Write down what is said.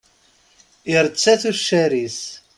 Iretta tuccar-is.